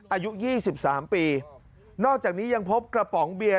อายุยี่สิบสามปีนอกจากนี้ยังพบกระป๋องเบียน